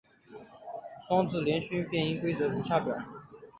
双字连读变音规则如下表。